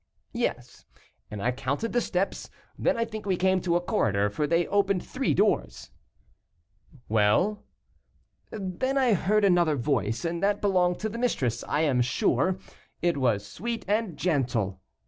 "Yes; and I counted the steps. Then I think we came to a corridor, for they opened three doors." "Well?" "Then I heard another voice, and that belonged to the mistress, I am sure; it was sweet and gentle."